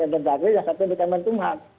jadi yang satu di kemenkumham